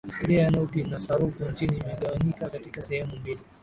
historia ya noti na sarafu nchini imegawanyika katika sehemu mbili